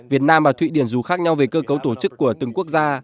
việt nam và thụy điển dù khác nhau về cơ cấu tổ chức của từng quốc gia